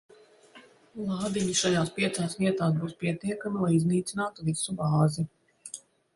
Lādiņi šajās piecās vietās būs pietiekami, lai iznīcinātu visu bāzi.